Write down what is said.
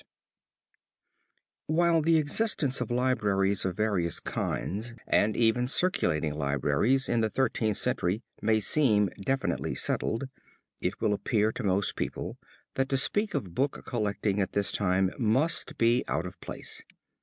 {opp156} MONUMENT OF CARDINAL DE BRAY (ARNOLFO) While the existence of libraries of various kinds, and even circulating libraries, in the Thirteenth Century may seem definitely settled, it will appear to most people that to speak of book collecting at this time must be out of place.